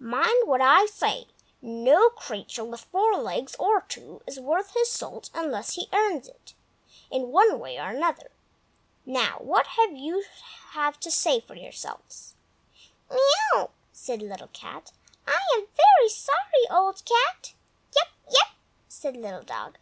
Mind what I say; no creature, with four legs or two, is worth his salt unless he earns it, in one way or another. Now, what have you to say for yourselves?" "Miaouw!" said Little Cat. "I am very sorry, Old Cat." "Yap! Yap!" said Little Dog.